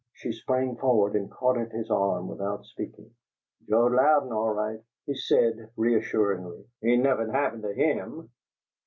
She sprang forward and caught at his arm without speaking. "Joe Louden all right," he said, reassuringly. "Ain' nuffum happen to him!